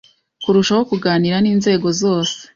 kurushaho kuganira n’inzego zose